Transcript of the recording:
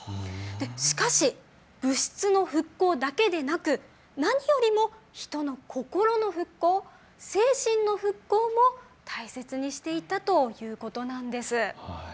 しかし、物質の復興だけでなく何よりも人の心の復興、精神の復興を大切にしていたということなんです。